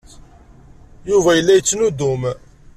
Yuba yella yettnuddum.